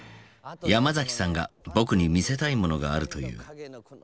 ヤマザキさんが僕に見せたいものがあるという。